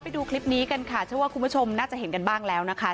ไปดูคลิปนี้กันค่ะเชื่อว่าคุณผู้ชมน่าจะเห็นกันบ้างแล้วนะคะ